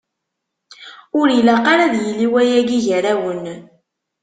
Ur ilaq ara ad yili wayagi gar-awen.